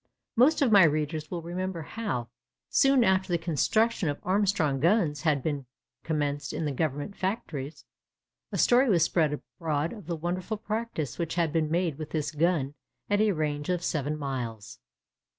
Many of my readers will remember how, soon after the construction of Armstrong guns had been commenced in the Government factories, a story was spread abroad of the wonderful practice which had been made with this gun at a range of seven miles.